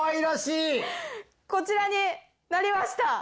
こちらになりました。